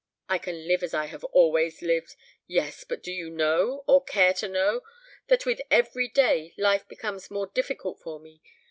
I can live as I have always lived! Yes; but do you know, or care to know, that with every day life becomes more difficult for me?